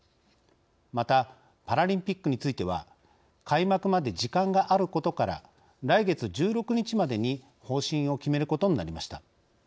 またパラリンピックについては開幕まで時間があることから来月１６日までに方針を決めることになりました。